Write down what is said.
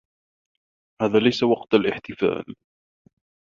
هذا ليس وقت الإحتفال.